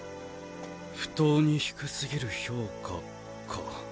不当に低すぎる評価か。